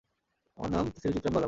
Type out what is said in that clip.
আমার নাম থিরুচিত্রাম্বালাম।